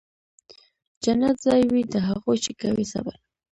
جنت ځای وي د هغو چي کوي صبر